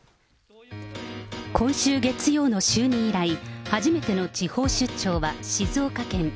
今週月曜の就任以来、初めての地方出張は静岡県。